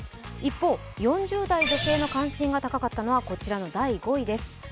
一方、４０代女性の関心が高かったのは第５位です。